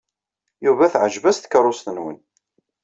Yuba teɛjeb-as tkeṛṛust-nwen.